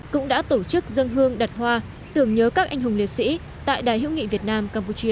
cũng đã tổ chức dân hương đặt hoa tưởng nhớ các anh hùng liệt sĩ tại đài hữu nghị việt nam campuchia